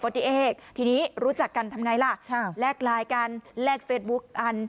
ติเอกทีนี้รู้จักกันทำไงล่ะแลกไลน์กันแลกเฟซบุ๊กอัน